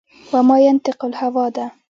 و ما ینطق الهوا ده